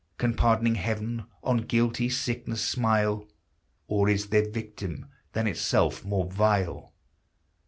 Can pardoning Heaven on guilty sickness smile? Or is there victim than itself more vile?